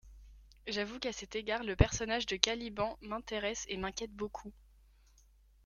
J'avoue qu'à cet égard le personnage de Caliban m'intéresse et m'inquiète beaucoup.